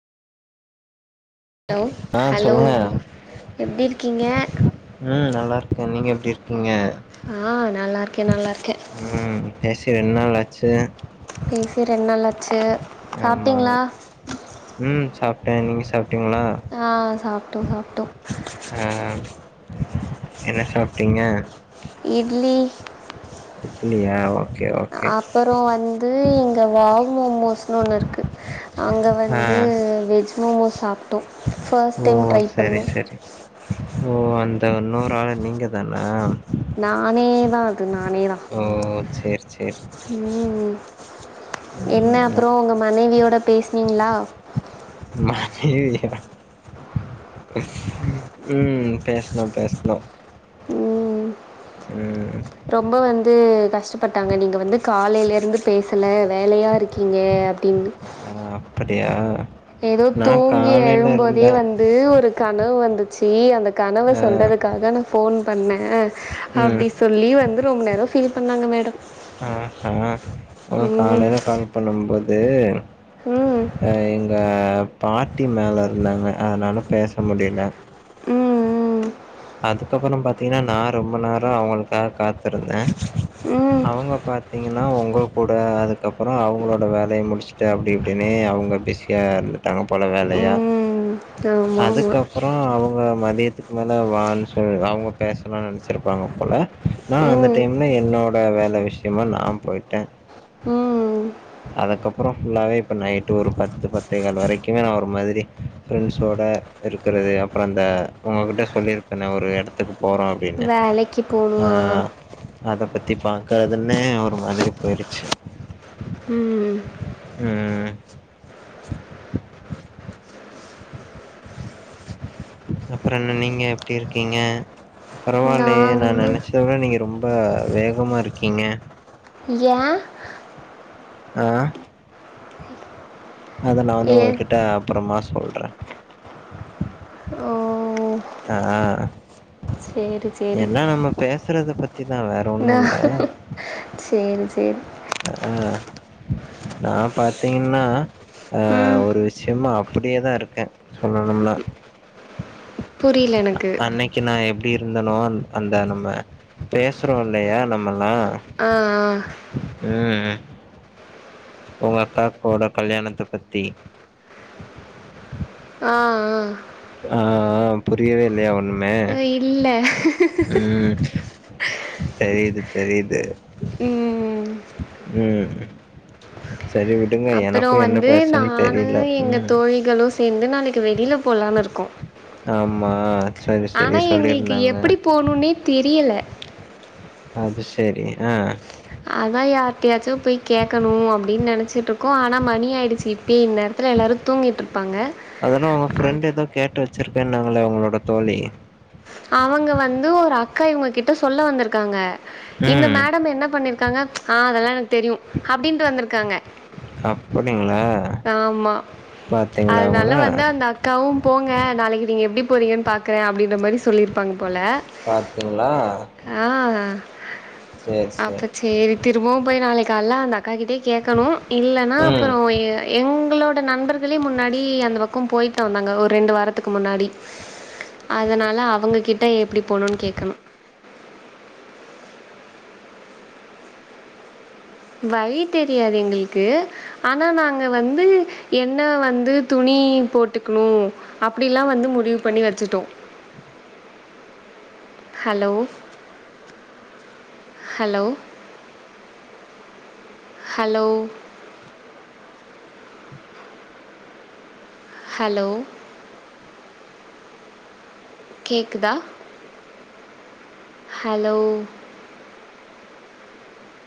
Hello ஆ hello சொல்லுங்க எப்டி இருக்கீங்க ம் நல்லா இருக்கே நீங்க எப்டி இருக்கீங்க ஆ நல்லாருக்கே நல்லாருக்கே ம் பேசி ரெண்டு நாளாச்சு பேசி ரெண்டு நாளாச்சு ஆமா ம் சாப்ட்ட நீங்க சாப்ட்டீங்களா ஆ சாப்ட்டோ சாப்ட்டோ ஆ ஆ என்ன சாப்ட்டீங்க இட்லி இட்லியா ஓ அப்பறோ வந்து இங்க வாவ் மோமோஸ்னு ஒன்னு இருக்கு அங்க ஆ வந்து வெஜ் மோமோஸ் சாப்ட்டோ ஃபஸ்ட் ஓ டைம் ட்ரை சரி பண்ணோ சரி ஓ அந்த இன்னொரு ஆளு நீங்க தானா நானே தா அது நானே தா ஓ சேர் சேர் ம் என்ன ம் அப்பறோ அப்- உங்க மனைவியோட பேஸ்னிங்களா மனைவியா ம் பேஸ்னோ பேஸ்னோ ம் உம் ரொம்ப வந்து கஷ்டப்பட்டாங்க நீங்க வந்து காலையில இருந்து பேசல வேலையா இருக்கீங்க [inaudible] ஆ அப்படியா ஏதோ நா தூங்கி காலைல எழும்போதே இருந்தே வந்து ஒரு கனவு வந்துச்சு அந்த கனவ ஆ சொல்றதுக் அதுக்காக நா ஃபோன் பண்ணே ம் அப்டி சொல்லி வந்து ரொம்ப நேரோ ஃபீல் பண்ணாங்க மேடம் ஆ உ ம் காலேல கால் பண்ணும்போது ம் அ எங் ங்க பாட்டி மேல இருந்தாங்க அதனால பேச முடியல ம் அதுக்கப்றோ பாத்தீங்கனா நா ரொம்ப நேரோ அவங்களுக்காக காத்திருந்தே ம் அவங்க பாத்தீங்கனா உங்க கூட அதுக்கப்றோ அவங்களோட வேலய முடிச்சு அப்டி இப்டினே அவங்க பிஸியா இருந்துட்டாங்க போல வேலயா உம் அதுக்கப்றோ அவங்க மதியத்துக்கு மேல அவங்க பேசலானு நெனச்சிருப்பாங்க போல நா அந்த ம் டைம்ல என்னோட வேல விஷ முக்கியமா நா போயிட்டே உம் அதுக்கப்பறோ ஃபுல்லாவே இப்ப நைட்டு ஒரு பத்து பத்தே கால் வரைக்குமே நா ஒரு மாதிரி ஃப்ரெண்ட்ஸோட இருக்கறது அப்றோ அந்த உங்ககிட்ட சொல்லிருப் நா ஒரு இடத்துக்கு போறோ அப்டின்னு வேலைக்கு போகணுமா ஆஹ் அத பத்தி பாக்காதுன்னே ஒரு மாதிரி போயிருச்சு உம் உம் அப்றோ என்ன நீங்க எப்டி இருக்கீங்க பரவாயில்லையே நான் நா வந்து நெனச்சத விட நீங்க ரொம்ப வேகமா இருக்கீங்க ஏன் ஆஹ் அத நானு உங்க ஏ கிட்ட அப்பறமா சொல்றே ஓ ஆஹ் சேரி சேரி எல்லா நம்ம பேசுறத பத்திதா வேற ஒன்னு நா இல்ல சேரி சேரி ஆஹ் நா பாத்தீங்கன்னா ஆஹ் ம் ஒரு விஷயமா அப்படியே தா இருக்கே சொல்லணும்னா புரில எனக்கு நா எப்டி இருந்தேனோ அந்த நம்ம பேசுறோ இல்லையா நம்மலா ஆஹ் ஆஹ் உம் உங்க அக்கா கோட கல்யாணத்த பத்தி ஆஹ் ஆஹ் ஆஹ் புரியவே இல்லையா ஒண்ணுமே ஆ இல்ல உம் தெரிது தெரிது ம் உம் செரி வி அப்பறோ வந்து நானு எங்க ம். தோழிகளு சேந்து நாளைக்கு வெளியில போலான்னு இருக்கோ ஆமா சரி சரி சொல்லியிருந்தாங்க ஒனே தெரியல அது சரி ஆஹ் அதா யார்ட்டயாச்சு போய் கேட்கணு அப்படின்னு நெனைச்சிட்டு இருக்கோ ஆனா மணி ஆயிடுச்சு ட்டி இன்நேரத்தில எல்லாரும் தூங்கிட்ருப்பாங்க அதென்னோ அவங்க ஃப்ரெண்ட் ஏதோ கேட்டு வச்சிருக்கேன்னாங்களே உங்களோட தோழி அவங்க வந்து ஒரு அக்கா இவங்க கிட்ட சொல்ல வந்திருக்காங்க இந்த ம். மேடம் என்ன பண்ணிரு இருக்காங்க ஆ அதெல்லா எனக்கு தெரியு அப்படின்னுட்டு வந்திருக்காங்க அப்டிங்களா ஆமா அதனால வந்து அந்த அக் காவும் போங்க நாளைக்கு நீங்க எப்டி போறீங்கன்னு பாக்குறே அப்டின்ற மாரி சொல்லிருப்பாங்க போல பாத்திங்ளா ஆ அப்ப சேரி திரும்பவு போய் நாளை கால்ல அந்த அக்காகிட்டயே கேட்கணு இல்லனா ம் அப்பறோ உங்களோட நண்பர்களே முன்னாடி அந்த பக்கோ போயிட்டு தா வந்தாங்க ஒரு ரெண்டு வாரத்துக்கு முன்னாடி அதனால அவங்க கிட்ட எப்டி போணுன்னு கேட்கணு வழி தெரியாது எங்களுக்கு ஆனா நாங்க வந்து என்ன வந்து துணி போட்டுக்கணு அப்படிலா வந்து முடிவு பண்ணி வச்சிட்டோ ஹலோ ஹலோ ஹலோ ஹலோ கேக்குதா ஹலோ